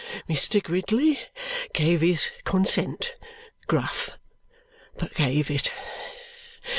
Mr. Gridley gave his consent gruff but gave it.